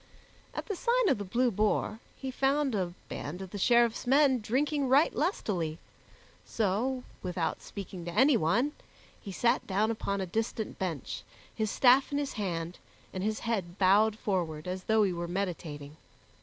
At the Sign of the Blue Boar he found a band of the Sheriffs men drinking right lustily; so, without speaking to anyone, he sat down upon a distant bench, his staff in his hand, and his head bowed forward as though he were meditating.